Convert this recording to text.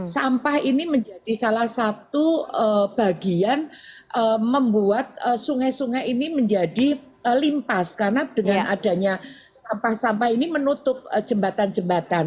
sampah ini menjadi salah satu bagian membuat sungai sungai ini menjadi limpas karena dengan adanya sampah sampah ini menutup jembatan jembatan